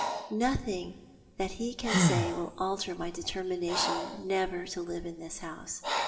" Nothing that he can say will alter my determination never to live in his house.